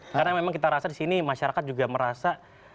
karena memang kita merasa di sini masyarakat juga merasa